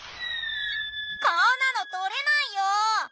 こんなの捕れないよ。